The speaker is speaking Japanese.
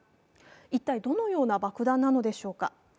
一体どのような爆弾なのでしょうか。